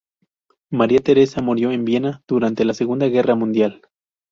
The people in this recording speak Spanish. María Teresa murió en Viena durante la Segunda Guerra Mundial.